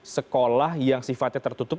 sekolah yang sifatnya tertutup